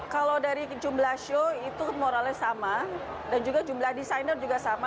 kalau dari jumlah show itu moralnya sama dan juga jumlah desainer juga sama